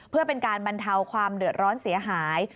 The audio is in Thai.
เพื่อเป็นการบรรเทาความเดือดร้อนเสียหาย